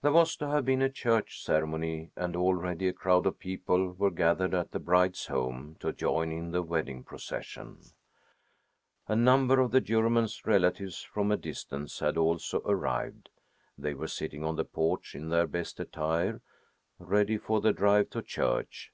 There was to have been a church ceremony, and already a crowd of people were gathered at the bride's home to join in the wedding procession. A number of the Juryman's relatives from a distance had also arrived. They were sitting on the porch in their best attire, ready for the drive to church.